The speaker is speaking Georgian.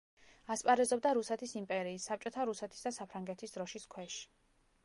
ასპარეზობდა რუსეთის იმპერიის, საბჭოთა რუსეთის და საფრანგეთის დროშის ქვეშ.